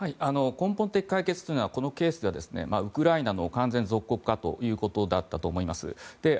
根本的解決というのはこのケースではウクライナの完全属国化ということだったと思います。